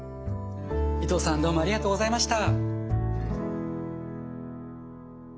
伊藤さんどうもありがとうございました。